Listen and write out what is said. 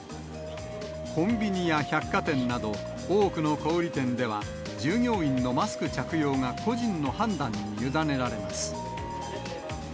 コンビニや百貨店など、多くの小売り店では、従業員のマスク着用が個人の判断に委ねられます。